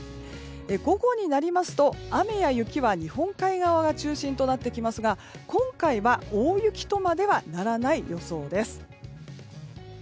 午後になりますと雨や雪は日本海側が中心となってきますが今回は大雪とまではならない予想です。